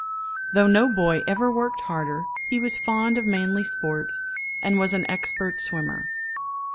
Though no boy ever worked harder, he was fond of manly sports, and was an expert swimmer.